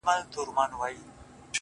پرېږده د مينې کاروبار سره خبرې کوي _